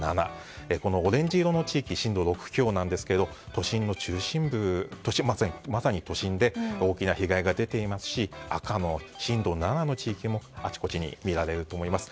オレンジ色の地域は震度６強なんですがまさに都心の中心部で大きな被害が出ていますし赤の震度７の地域もあちこちに見られると思います。